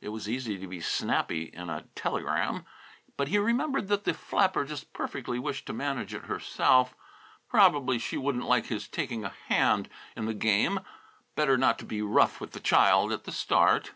It was easy to be "snappy" in a telegram. But he remembered that the flapper just perfectly wished to manage it herself; probably she wouldn't like his taking a hand in the game. Better not be rough with the child at the start.